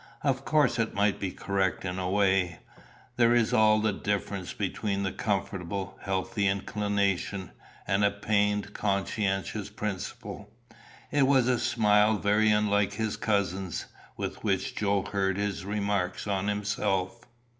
Of course it might be correct in a way. There is all the difference between a comfortable, healthy inclination, and a pained, conscientious principle. It was a smile very unlike his cousin's with which Joe heard his remarks on himself.